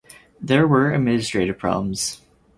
There were administrative problems.